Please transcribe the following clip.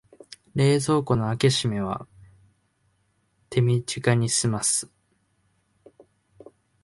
冷蔵庫の開け閉めは手短にすます